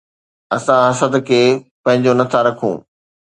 اسان حسد کي پنهنجو نه ٿا رکون